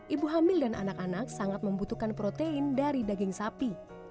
ibu hamil dan anak anak sangat membutuhkan protein dari daging sapi